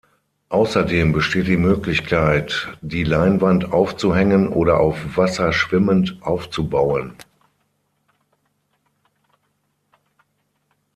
Außerdem besteht die Möglichkeit, die Leinwand aufzuhängen oder auf Wasser schwimmend aufzubauen.